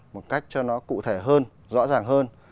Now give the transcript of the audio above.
một cách cho nó cụ thể hơn rõ ràng hơn